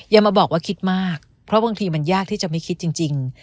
อย่ามาบอกว่าคิดมากเพราะบางทีมันยากที่จะไม่คิดจริง